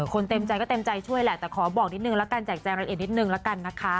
เต็มใจก็เต็มใจช่วยแหละแต่ขอบอกนิดนึงแล้วกันแจกแจงละเอียดนิดนึงละกันนะคะ